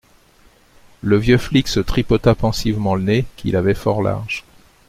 Le vieux flic se tripota pensivement le nez, qu’il avait fort large.